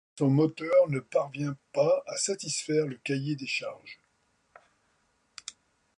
Mais son moteur ne parvient pas à satisfaire le cahier des charges.